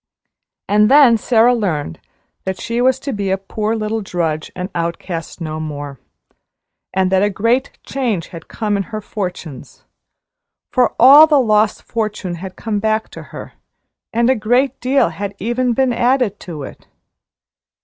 And then Sara learned that she was to be a poor little drudge and outcast no more, and that a great change had come in her fortunes; for all the lost fortune had come back to her, and a great deal had even been added to it.